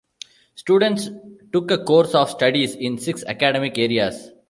Students took a course of studies in six academic areas.